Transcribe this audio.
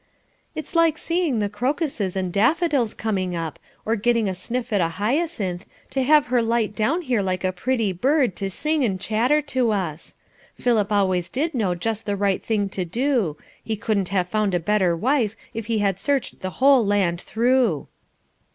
"It's like seeing the crocuses and daffodils coming up, or getting a sniff at the hyacinth, to have her light down here like a pretty bird, to sing and chatter to us. Philip always did know just the right thing to do; he couldn't have found a better wife if he had searched the whole land through."